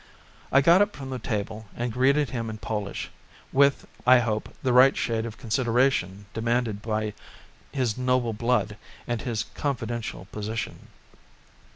I got up from the table and greeted him in Polish, with, I hope, the right shade of consideration demanded by his noble blood and his confidential position.